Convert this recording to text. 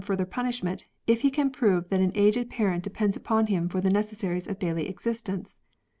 137 further punisliment, if be can prove tliat an aged parent depends upon him for the necessaries of daily existence.